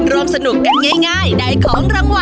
ร่วมสนุกกันง่ายได้ของรางวัล